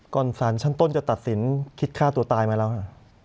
ก่อนศาลชั้นต้นจะตัดสินคิดฆ่าตัวตายไหมแล้วครับ